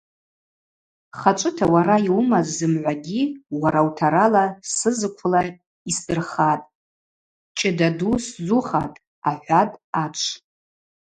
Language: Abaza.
Хачӏвыта уара йуымаз зымгӏвагьи уара утарала сызыквла йсдырхатӏ, чӏыда ду сзухатӏ, – ахӏватӏ ачв.